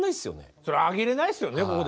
それ挙げれないっすよね。